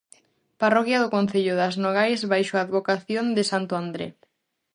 Parroquia do concello das Nogais baixo a advocación de santo André.